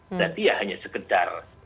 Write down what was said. berarti ya hanya sekedar